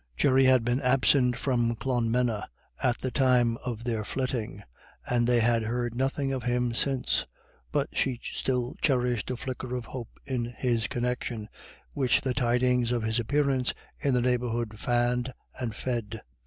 Jerry had been absent from Clonmena at the time of their flitting, and they had heard nothing of him since; but she still cherished a flicker of hope in his connection, which the tidings of his appearance in the neighbourhood fanned and fed.